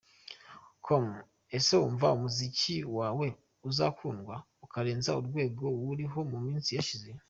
com: Ese wumva umuziki wawe uzakundwa ukarenza urwego wariho mu minsi yashize?.